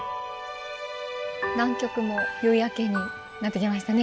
南極も夕焼けになってきましたね。